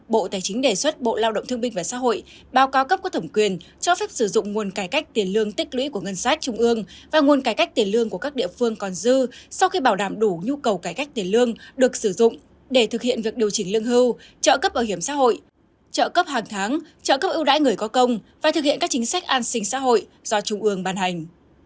bộ tài chính đề xuất bộ lao động thương minh và xã hội báo cáo cấp của thổng quyền cho phép sử dụng nguồn cải cách tiền lương tích lũy của ngân sách trung ương và nguồn cải cách tiền lương của các địa phương còn dư sau khi bảo đảm đủ nhu cầu cải cách tiền lương được sử dụng để thực hiện việc điều chỉnh lương hưu trợ cấp bảo hiểm xã hội trợ cấp hàng tháng trợ cấp ưu đại người có công và thực hiện các chính sách an sinh xã hội do trung ương ban hành